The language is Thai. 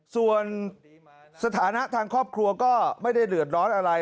ส่วนสถานะทางครอบครัวก็ไม่ได้เดือดร้อนอะไร